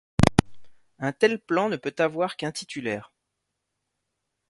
Un tel plan ne peut avoir qu'un titulaire.